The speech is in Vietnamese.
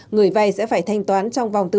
người vay sẽ phải thanh toán trong vòng thứ ba